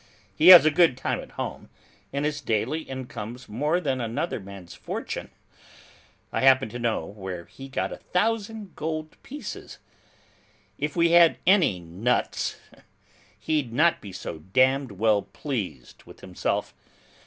He has a good time at home, and his daily income's more than another man's fortune. I happen to know where he got a thousand gold pieces. If we had any nuts, he'd not be so damned well pleased with himself!